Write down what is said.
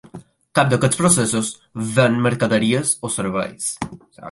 Cap d'aquests processos ven mercaderies o serveis.